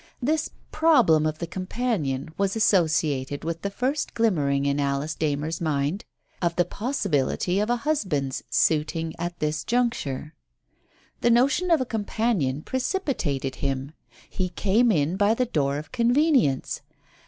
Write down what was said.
This problem of the companion was associated with the first glimmering in Alice Darner's mind, of the pos sibility of a husband's suiting at this juncture. The notion of a companion precipitated him. He came in by the door of convenience.